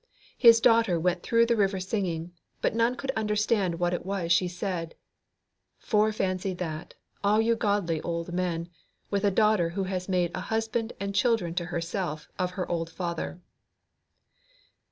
His daughter went through the river singing, but none could understand what it was she said. Fore fancy that, all you godly old men, with a daughter who has made a husband and children to herself of her old father.